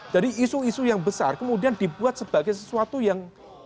jadi isu isu yang besar kemudian dibuat sebagai sesuatu yang membuat